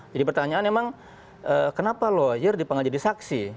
jadi pertanyaan memang kenapa lawyer dipanggil jadi saksi